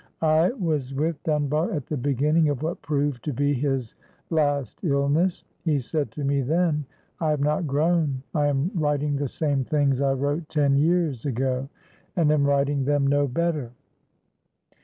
I was with Dunbar at the beginning of what proved to be his last illness. He said to me then: "I have not grown. I am writing the same things I wrote ten years ago, and am writing them no better."